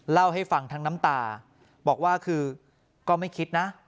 เล่าให้ฟังทั้งน้ำตาบอกว่าคือก็ไม่คิดนะ